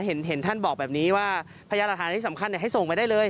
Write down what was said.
เห็นท่านบอกแบบนี้ว่าพยานหลักฐานที่สำคัญให้ส่งไปได้เลย